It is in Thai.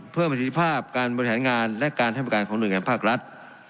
ประสิทธิภาพการบริหารงานและการให้บริการของหน่วยงานภาครัฐ